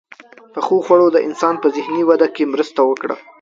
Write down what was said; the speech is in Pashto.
• پخو خوړو د انسان په ذهني وده کې مرسته وکړه.